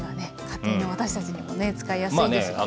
家庭の私たちにもね使いやすいです。